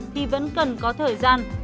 thì vẫn cần có thời gian